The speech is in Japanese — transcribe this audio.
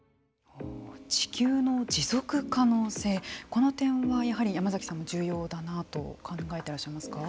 この点はやはり山崎さんも重要だなと考えていらっしゃいますか。